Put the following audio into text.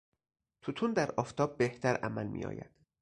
توتون در آفتاب بهتر عمل میآید.